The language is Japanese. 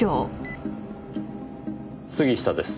杉下です。